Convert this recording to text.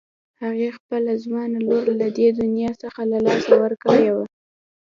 هغې خپله ځوانه لور له دې دنيا څخه له لاسه ورکړې وه.